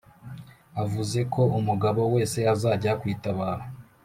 avuzeko umugabo wese ajya kwitabaro"